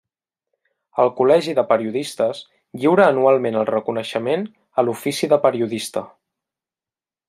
El Col·legi de Periodistes lliura anualment el reconeixement a l'Ofici de Periodista.